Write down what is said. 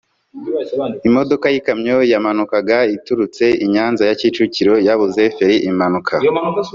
Imodoka y’ikamyo yamanukaga iturutse i Nyanza ya Kicukiro yabuze feri imanuka